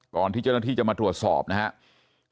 ที่เจ้าหน้าที่จะมาตรวจสอบนะครับ